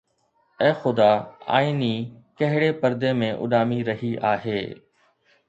اي خدا، آئيني ڪهڙي پردي ۾ اڏامي رهي آهي؟